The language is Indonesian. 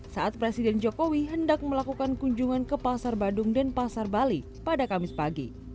saat presiden jokowi hendak melakukan kunjungan ke pasar badung dan pasar bali pada kamis pagi